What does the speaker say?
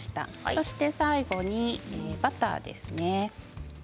そして最後にバターですね。